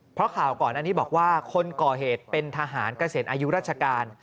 เพราะข่าวก่อนอันนี้บอกว่าคนก่อเหตุเป็นทหารเกษียณอายุราชการ